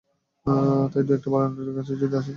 তবে দুই একটা ভালো নাটকের কাজ যদি আসে, তাহলে করতেও পারি।